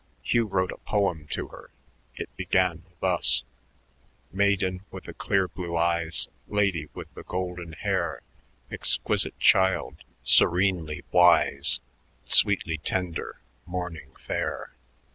Hugh wrote a poem to her. It began thus: Maiden with the clear blue eyes, Lady with the golden hair, Exquisite child, serenely wise, Sweetly tender, morning fair.